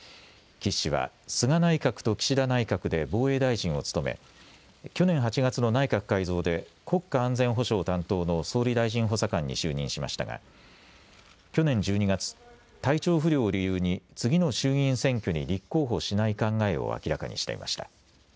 岸氏は菅内閣と岸田内閣で防衛大臣を務め去年８月の内閣改造で国家安全保障担当の総理大臣補佐官に就任しましたが去年１２月、体調不良を理由に次の衆議院選挙に立候補しない考えを明らかにしていました。